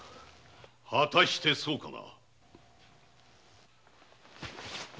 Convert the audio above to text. ・はたしてそうかな？